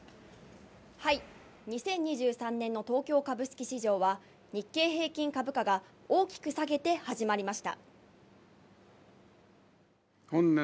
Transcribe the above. ２０２３年の東京株式市場は日経平均株価が大きく下げて始まりました。